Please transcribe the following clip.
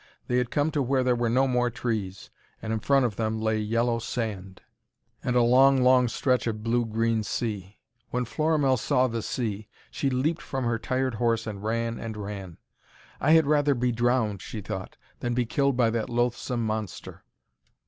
They had come to where there were no more trees, and in front of them lay yellow sand, and a long, long stretch of blue green sea. When Florimell saw the sea, she leaped from her tired horse and ran and ran. 'I had rather be drowned,' she thought, 'than be killed by that loathsome monster.'